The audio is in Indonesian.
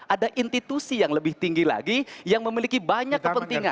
ada institusi yang lebih tinggi lagi yang memiliki banyak kepentingan